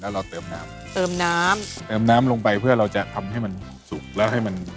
เราเติมน้ำเติมน้ำเติมน้ำลงไปเพื่อเราจะทำให้มันสุกแล้วให้มัน